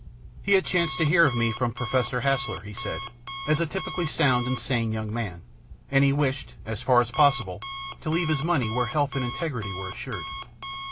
He had chanced to hear of me from Professor Haslar, he said, as a typically sound and sane young man, and he wished, as far as possible, to leave his money where health and integrity were assured.